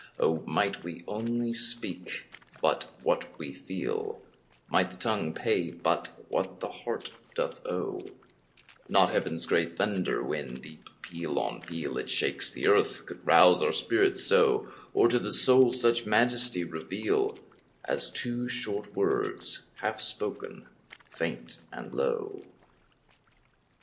O might we only speak but what we feel, Might the tongue pay but what the heart doth owe, Not Heaven's great thunder, when, deep peal on peal, It shakes the earth, could rouse our spirits so, Or to the soul such majesty reveal, As two short words half spoken faint and low!